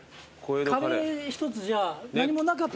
カレーひとつじゃあ何もなかったら。